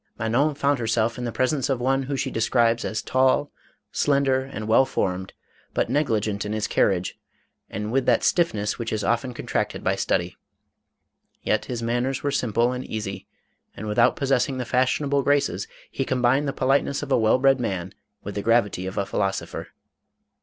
Manon found herself in the presence of one who she describes as tall, slender, and well formed, but negli gent in his carriage, and with that stiffness which is often contracted by study ; yet his manners were sim ple and easy, and without possessing the fashionable graces, he combined the politeness of a well bred man with the gravity of a philosopher.